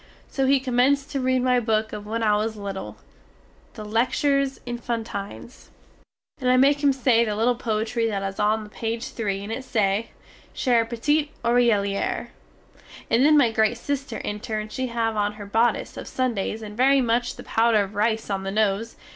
So he commence to read my book of when I was little, the "Lectures Enfantines" and I make him say the little poetry that is on the page 3 and it say: "Cher petit oreiller," and then my great sister enter and she have on her bodice of Sundays and very much the powder of rice on the nose.